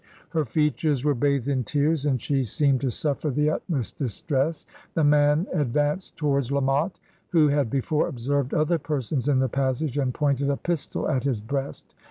Her features were bathed in tears, and she seemed to suffer the utmost distress. The man ... ad vanced towards La Motte, who had before observed other persons in the passage, and pointed a pistol at his breast.